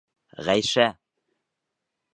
Ғәйшә!..